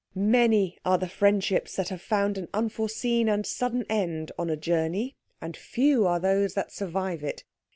Many are the friendships that have found an unforeseen and sudden end on a journey, and few are those that survive it.